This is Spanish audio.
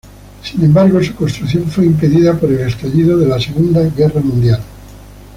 Sin embargo, su construcción fue impedida por el estallido de la Segunda Guerra Mundial.